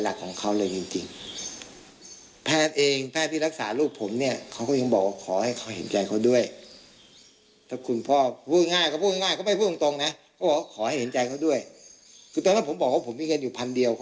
มันไม่ใช่นะสำหรับเขาเนี่ย